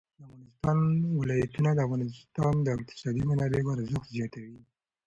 د افغانستان ولايتونه د افغانستان د اقتصادي منابعو ارزښت زیاتوي.